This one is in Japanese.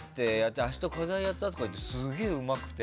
明日課題やった？とか言ってすげえうまくて。